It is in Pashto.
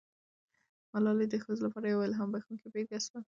ملالۍ د ښځو لپاره یوه الهام بښونکې بیلګه سوه.